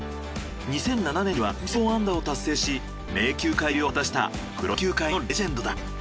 ２００７年には２，０００本安打を達成し名球会入りを果たしたプロ野球界のレジェンドだ。